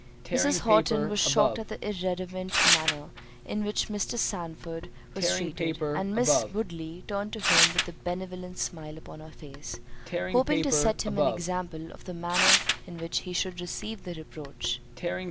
Mrs. Horton was shocked at the irreverent manner in which Mr. Sandford was treated—and Miss Woodley turned to him with a benevolent smile upon her face, hoping to set him an example of the manner in which he should receive the reproach.